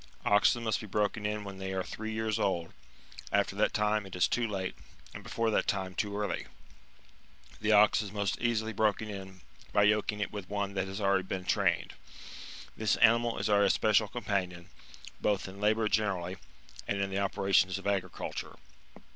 Oxen must be broken in when they are three years old ; after that time it is too late, and before that time too early. The ox is most easily broken in by yoking it with one that has already been trained.®^ This animal is our espe cial companion, both in labour generally, and in the operations of agriculture.